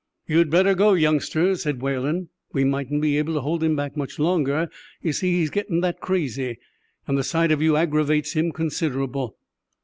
"You'd better go, youngsters," said Whalen; "we mightn't be able to hold him back much longer, you see, he's getting that crazy. And the sight of you aggravates him considerable."